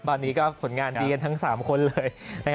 ตอนนี้ก็ผลงานดีกันทั้ง๓คนเลย